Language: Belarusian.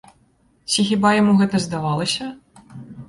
Ці хіба яму гэта здавалася?